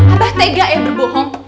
abah tega ya berbohong